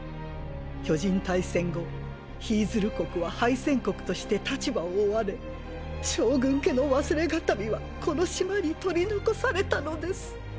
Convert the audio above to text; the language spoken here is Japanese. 「巨人大戦」後ヒィズル国は敗戦国として立場を追われ将軍家の忘れ形見はこの島に取り残されたのです。